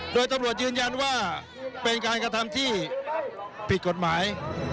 โดยตำรวจยืนยันว่าเป็นการกระทำที่ผิดกฎหมาย